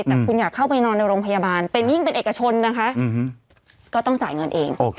แต่คุณอยากเข้าไปนอนในโรงพยาบาลเป็นยิ่งเป็นเอกชนนะคะก็ต้องจ่ายเงินเอง